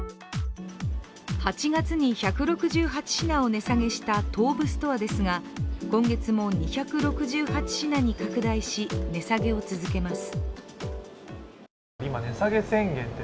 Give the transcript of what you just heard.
８月に１６８品を値下げした東武ストアですが今月も２６８品に拡大し、値下げを続けます。